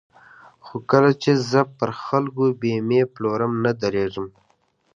خو کله چې زه پر خلکو بېمې پلورم نه درېږم.